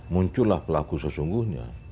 muncullah pelaku sesungguhnya